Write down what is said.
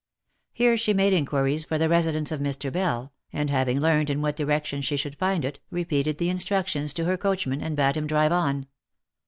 Here she made inquiries for the residence of Mr. Bell, and having learned in what direction she should find it, repeated the instructions to her coachman, and bade him drive on.